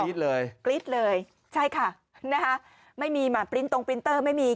กริ๊ดเลยกริ๊ดเลยใช่ค่ะนะฮะไม่มีมาตรงปรินเตอร์ไม่มี